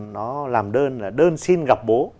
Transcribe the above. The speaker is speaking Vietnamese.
nó làm đơn là đơn xin gặp bố